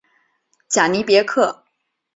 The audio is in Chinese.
贾尼别克。